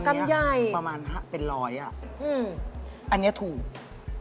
อันนี่กรำใหญ่กรำใหญ่ประมาณ๑๐๐บาทอ่ะอันนี้ถูกอือ